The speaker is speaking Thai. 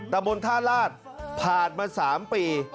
ตะบนท่าลาศผ่านมา๓ปี